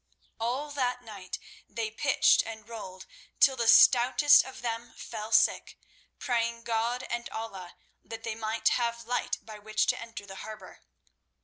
All that night they pitched and rolled, till the stoutest of them fell sick, praying God and Allah that they might have light by which to enter the harbour.